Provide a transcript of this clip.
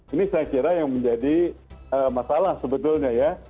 ini saya kira yang menjadi masalah sebetulnya ya